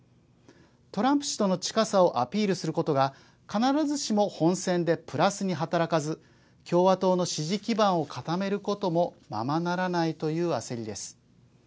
トランプ氏との近さをアピールすることが必ずしも本選でプラスに働かず共和党の支持基盤を固めることもままならないという焦りです。